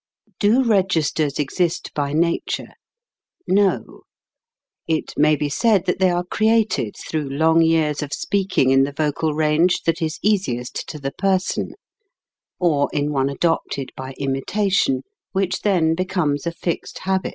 Do registers exist by nature ? No. It may be said that they are created through long years of speaking in the vocal range that is easiest to the person, or in one adopted by imitation, which then becomes a fixed habit.